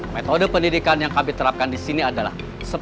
metode pendidikan yang kami terapkan di sini adalah